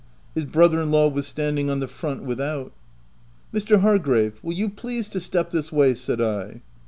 His brother in law was standing on the front without. €* Mr. Hargrave, will you please to step this way ?" said I.